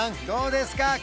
どうですか？